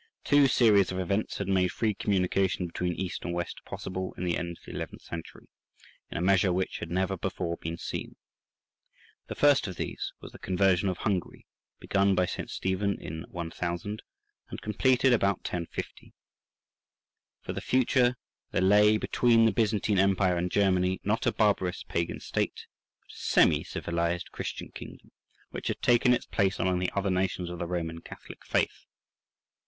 Two series of events had made free communication between East and West possible in the end of the eleventh century, in a measure which had never before been seen. The first of these was the conversion of Hungary, begun by St. Stephen in 1000, and completed about 1050. For the future there lay between the Byzantine Empire and Germany not a barbarous pagan state, but a semi civilized Christian kingdom, which had taken its place among the other nations of the Roman Catholic faith.